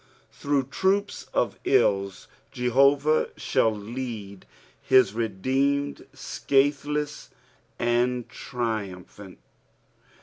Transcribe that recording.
Through troops of ills Jehovah shall lead his redeemed scatheless and triumphant.